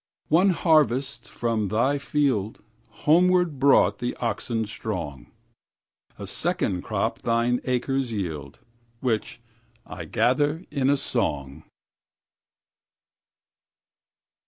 One harvest from thy fieldHomeward brought the oxen strong;A second crop thine acres yield, Which I gather in a song.